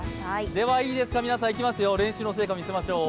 ではいいですか、皆さん、いきますよ、練習の成果、見せましょう。